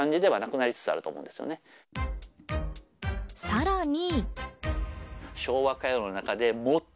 さらに。